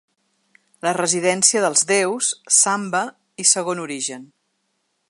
La residència dels déus’, ‘Samba’ i ‘Segon origen’.